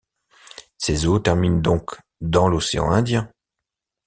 Ces eaux terminent donc dans l'océan indien.